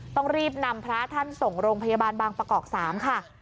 ต้องรีบนำพระท่านส่งโรงพยาบาลบางประกอบ๓ค่ะ